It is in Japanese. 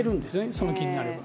その気になれば。